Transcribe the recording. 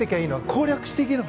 攻略していけるの？